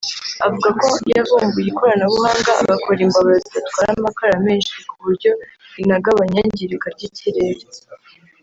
avuga ko yavumbuye ikoranabuhanga agakora imbabura zidatwara amakara menshi ku buryo inagabanya iyangirika ry’ikirere